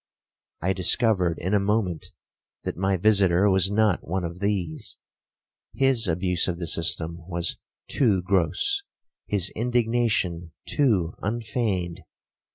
I discovered in a moment that my visitor was not one of these,—his abuse of the system was too gross, his indignation too unfeigned.